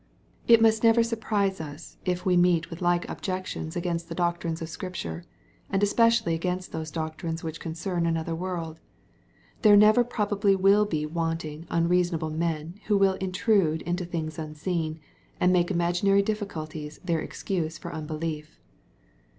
It must never surprise us, if we meet with like objec tions against the doctrines of Scripture, and especially against those doctrines which concern another world. There never probably will be wanting "unreasonable men," who will "intrude" into things unseen, and make imaginary difficulties their excuse for unbelief.